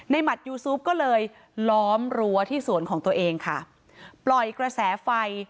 หมัดยูซูปก็เลยล้อมรั้วที่สวนของตัวเองค่ะปล่อยกระแสไฟ